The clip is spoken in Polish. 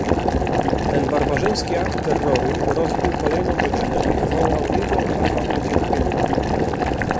Ten barbarzyński akt terroru rozbił kolejną rodzinę i wywołał niewyobrażalne cierpienie